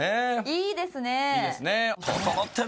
いいですね。